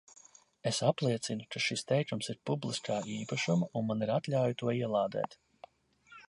Es apliecinu, ka šis teikums ir publiskā īpašuma un man ir atļauja to ielādēt.